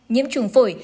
nhiễm chủng phổi